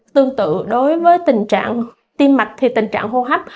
tương tự đối với tình trạng tim mạch thì tình trạng hô hấp